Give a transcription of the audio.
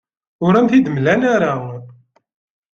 Ur am-t-id-mlan ara.